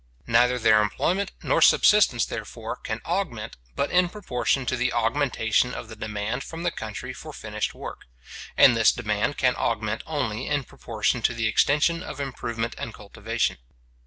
Neither their employment nor subsistence, therefore, can augment, but in proportion to the augmentation of the demand from the country for finished work; and this demand can augment only in proportion to the extension of improvement and cultivation.